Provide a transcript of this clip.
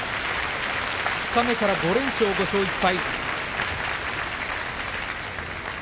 二日目から５連勝、５勝１敗。